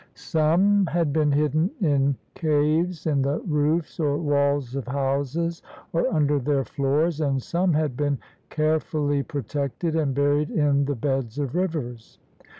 Some had been hidden in caves, in the roofs or walls of houses, or under their floors, and some had been carefully protected, and buried in the beds of rivers.